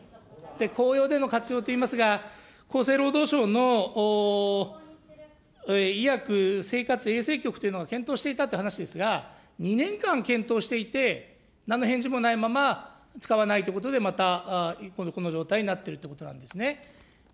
公用での活用といいますが、厚生労働省の医薬生活衛生局というのが検討していたという話ですが、２年間検討していて、なんの返事もないまま使わないということで、またこの状態になっているということなんですね。